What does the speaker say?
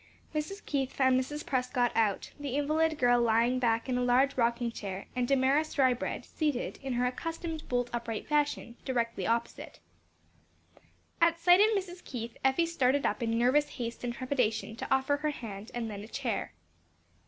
Mrs. Keith found Mrs. Prescott out, the invalid girl lying back in a large rocking chair, and Damaris Drybread seated, in her accustomed bolt upright fashion, directly opposite. At sight of Mrs. Keith, Effie started up in nervous haste and trepidation, to offer her hand and then a chair.